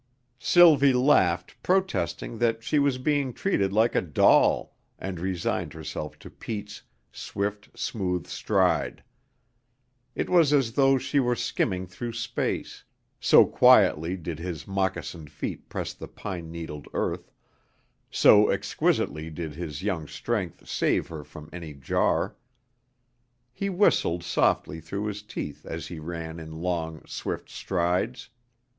Sylvie laughed protesting that she was being treated like a doll, and resigned herself to Pete's swift, smooth stride. It was as though she were skimming through space, so quietly did his moccasined feet press the pine needled earth, so exquisitely did his young strength save her from any jar. He whistled softly through his teeth as he ran in long, swift strides.